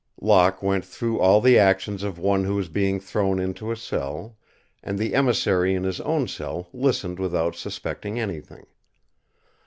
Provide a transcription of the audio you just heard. Locke went through all the actions of one who was being thrown into a cell, and the emissary in his own cell listened without suspecting anything.